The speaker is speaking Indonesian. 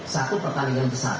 satu pertandingan besar